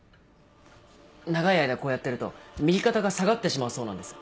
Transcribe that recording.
長い間こうやってると右肩が下がってしまうそうなんです。